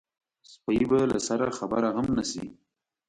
سپۍ به له سره خبره هم نه شي.